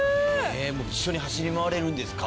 一緒に走り回れるんですか。